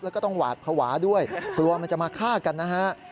แล้วก็ต้องหวาดภาวะด้วยกลัวมันจะมาฆ่ากันนะฮะ